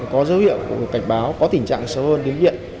có dấu hiệu có cảnh báo có tình trạng sâu hơn đến viện